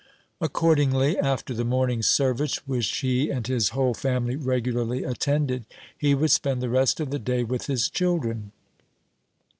Accordingly, after the morning service, which he and his whole family regularly attended, he would spend the rest of the day with his children.